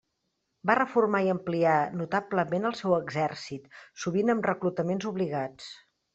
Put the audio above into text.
Va reformar i ampliar notablement el seu exèrcit, sovint amb reclutaments obligats.